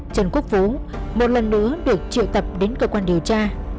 trần quốc vũ một lần nữa được triệu tập đến cơ quan điều tra